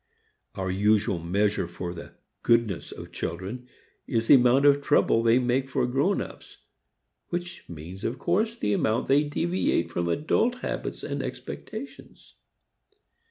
Our usual measure for the "goodness" of children is the amount of trouble they make for grownups, which means of course the amount they deviate from adult habits and expectations.